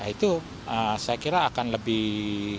itu saya kira akan lebih